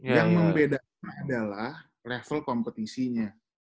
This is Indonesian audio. yang membedakan adalah level kompetisinya